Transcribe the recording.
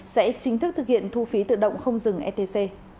sẽ chính thức thực hiện thu phí tự động không dừng etc